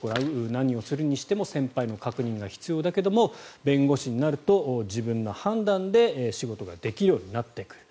何をするにしても先輩の確認が必要だけど弁護士になると自分の判断で仕事ができるようになってくる。